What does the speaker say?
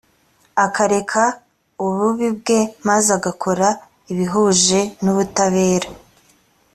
akareka ububi bwe maze agakora ibihuje n ubutabera